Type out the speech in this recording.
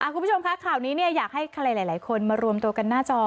คุณผู้ชมคะข่าวนี้อยากให้ใครหลายคนมารวมตัวกันหน้าจอ